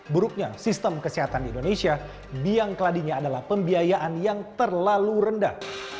buruknya sistem kesehatan di indonesia biang keladinya adalah pembiayaan yang terlalu rendah